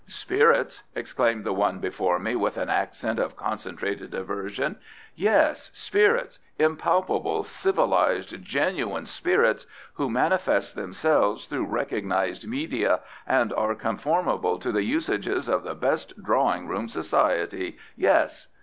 "Spirits!" exclaimed the one before me with an accent of concentrated aversion; "yes, spirits; impalpable, civilised, genuine spirits, who manifest themselves through recognised media, and are conformable to the usages of the best drawing room society yes.